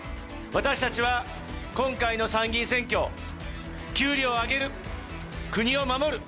私たちは今回の参議院選挙、給料を上げる、国を守る。